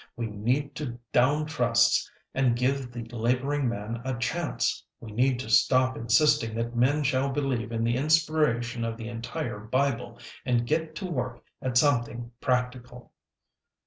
We need to down trusts and give the laboring man a chance. We need to stop insisting that men shall believe in the inspiration of the entire Bible and get to work at something practical!"